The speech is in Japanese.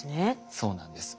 そうなんです。